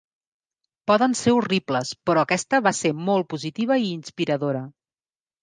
"Poden ser horribles, però aquesta va ser molt positiva i inspiradora."